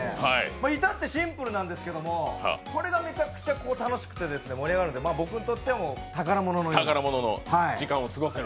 至ってシンプルなんですけど、これがめちゃくちゃ楽しくて盛り上がるので僕にとっては宝物です。